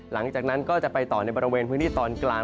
หลังจากนั้นก็จะไปต่อในบริเวณพื้นที่ตอนกลาง